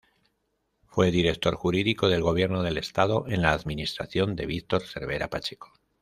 Fue director jurídico del gobierno del estado en la administración de Víctor Cervera Pacheco.